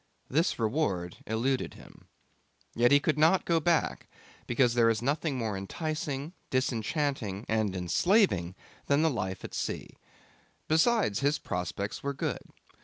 This reward eluded him. Yet he could not go back, because there is nothing more enticing, disenchanting, and enslaving than the life at sea. Besides, his prospects were good.